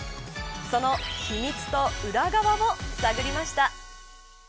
その秘密と裏側を探りました。